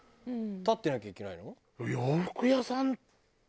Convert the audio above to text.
立ってなきゃいけないの？